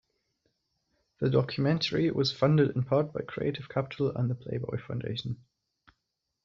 The documentary was funded in part by Creative Capital and the Playboy Foundation.